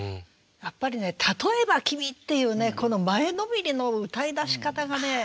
やっぱりね「たとへば君」っていうねこの前のめりの歌いだし方がね